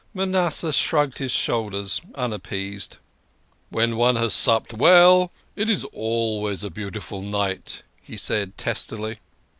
Manasseh shrugged his shoulders, unappeased. " When one has supped well, it is always a beautiful night," he said testily.